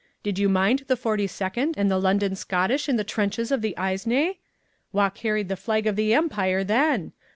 Do you mind the Forty Second, and the London Scottish in the trenches of the Aisne? Wha carried the flag of the Empire then?